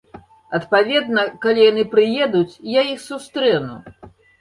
Адпаведна, калі яны прыедуць, я іх сустрэну.